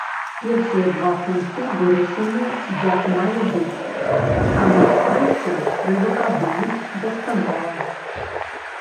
Першыя два пункты вырашаны як мае быць, а над трэцім трэба падумаць дасканала.